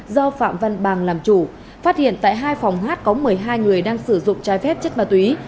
do phạm văn bàng làm chủ phát hiện tại hai phòng hát có một mươi hai người đang sử dụng trái phép chất ma túy